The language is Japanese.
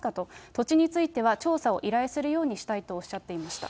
土地については調査を依頼するようにしたいとおっしゃっていました。